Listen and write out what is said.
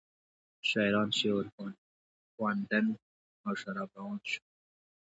شاعران شعرخواندند او شراب روان شو.